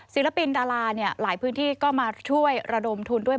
ศิลปินดาราหลายพื้นที่ก็มาช่วยระดมทุนด้วย